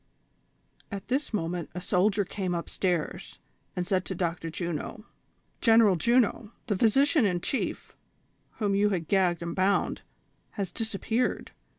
At this moment a soldier came up stairs, and said to Dr. Juno : "General Juno, the physician in chief, whom you had gagged and bound, has disapi^eared.